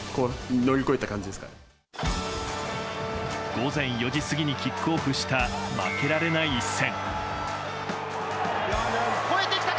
午前４時過ぎにキックオフした負けられない一戦。